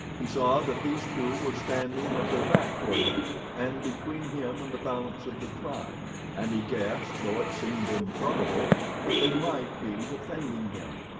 He saw that these two were standing with their back toward him and between him and the balance of the tribe, and he guessed, though it seemed improbable, that they might be defending him.